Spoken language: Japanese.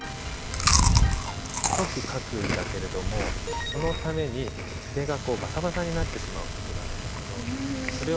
太く書くんだけれどもそのために筆がこうバサバサになってしまう事があるんだけどそれをね